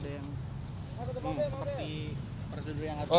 seperti yang perjudul yang atur